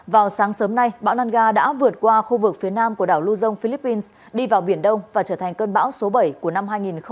vào sáng sớm nay bão lanar đã vượt qua khu vực phía nam của đảo lưu dông philippines đi vào biển đông và trở thành cơn bão số bảy của năm hai nghìn hai mươi